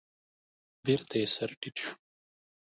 بېرته يې سر تيټ شو.